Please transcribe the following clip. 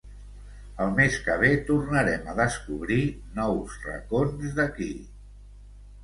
el mes que ve tornarem a descobrir nous racons d'aquí